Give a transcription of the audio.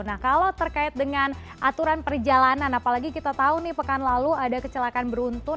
nah kalau terkait dengan aturan perjalanan apalagi kita tahu nih pekan lalu ada kecelakaan beruntun